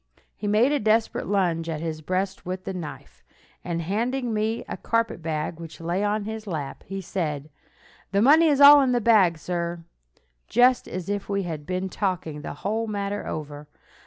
He made a desperate lunge at his breast with the knife, and handing me a carpetbag which lay on his lap, he said, "The money is all in this bag, sir," just as if we had been talking the whole matter over.